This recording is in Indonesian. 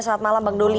selamat malam bang doli